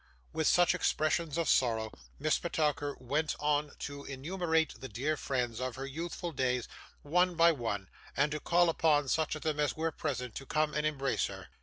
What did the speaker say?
With such expressions of sorrow, Miss Petowker went on to enumerate the dear friends of her youthful days one by one, and to call upon such of them as were present to come and embrace her.